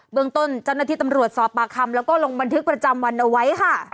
เมืองต้นเจ้าหน้าที่ตำรวจสอบปากคำแล้วก็ลงบันทึกประจำวันเอาไว้ค่ะ